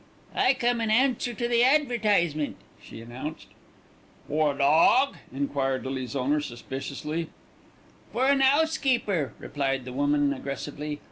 "I come in answer to the advertisement," she announced. "For a dawg?" enquired Lily's owner suspiciously. "For an 'ousekeeper," replied the woman aggressively.